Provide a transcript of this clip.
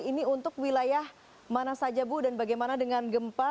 ini untuk wilayah mana saja bu dan bagaimana dengan gempa